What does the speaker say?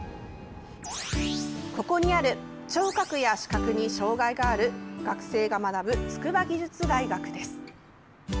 ここにある、聴覚や視覚に障害がある学生が学ぶ筑波技術大学です。